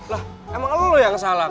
lah emang lo yang salah